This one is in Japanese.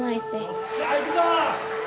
よっしゃいくぞ！